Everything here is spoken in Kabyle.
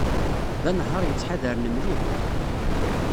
D anehhar yettḥadaren mliḥ.